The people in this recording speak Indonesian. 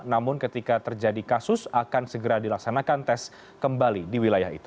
namun ketika terjadi kasus akan segera dilaksanakan tes kembali di wilayah itu